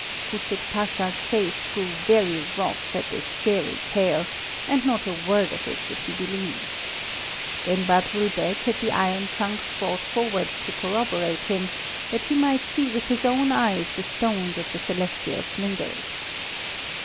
Kuczuk Pasha's face grew very wrath at this fairy tale, and not a word of it would he believe. Then Badrul Beg had the iron trunks brought forward to corroborate him, that he might see with his own eyes the stones of the celestial slingers.